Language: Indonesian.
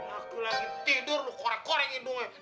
aku lagi tidur lu korek korek hidungnya